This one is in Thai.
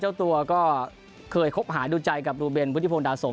เจ้าตัวก็เคยคบหาดูใจกับดูเบนพุทธิพงดาสม